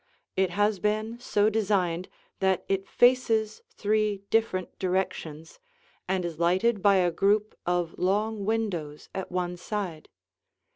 It has been so designed that it faces three different directions and is lighted by a group of long windows at one side.